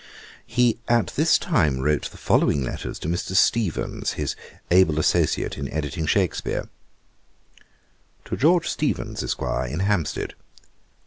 He at this time wrote the following letters to Mr. Steevens, his able associate in editing Shakspeare: To George Steevens, Esq., in Hampstead.